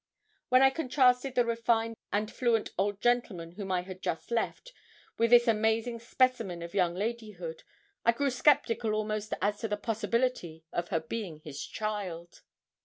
When I contrasted the refined and fluent old gentleman whom I had just left, with this amazing specimen of young ladyhood, I grew sceptical almost as to the possibility of her being his child.